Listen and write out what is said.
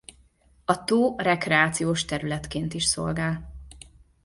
A tó rekreációs területként is szolgál.